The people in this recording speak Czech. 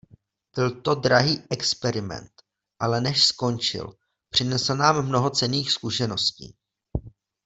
Byl to drahý experiment, ale než skončil, přinesl nám mnoho cenných zkušeností.